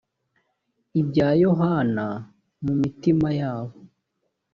ibya yohana mu mitima yabo